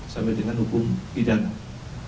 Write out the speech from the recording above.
sampai dengan hukum pidana